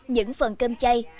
những phần cơm chay